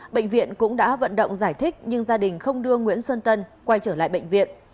bệnh viện cũng đã vận động giải thích nhưng gia đình không đưa nguyễn xuân tân quay trở lại bệnh viện